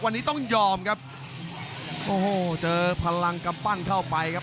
วันนี้ต้องยอมครับโอ้โหเจอพลังกำปั้นเข้าไปครับ